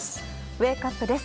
ウェークアップです。